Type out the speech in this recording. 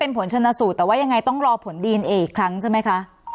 เป็นผลชนสูตรแต่ว่ายังไงต้องรอผลดีเอนอีกครั้งใช่ไหมคะ